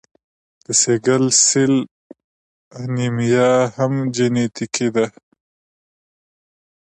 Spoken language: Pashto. د سیکل سیل انیمیا هم جینیټیکي ده.